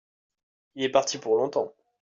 il est parti pour logntemps.